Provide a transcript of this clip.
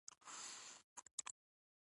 ډاکټر میرویس لېسې انګړ ته وروستلو.